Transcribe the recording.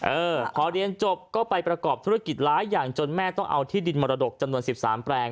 เออพอเรียนจบก็ไปประกอบธุรกิจหลายอย่างจนแม่ต้องเอาที่ดินมรดกจำนวน๑๓แปลง